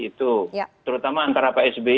itu terutama antara psb